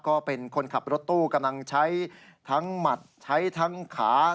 ก็เป็นคนขับรถตู้กำลังใช้ทั้งหมัดใช้ทั้งขา